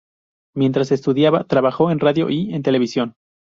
Mientras estudiaba, trabajó en radio y en televisión.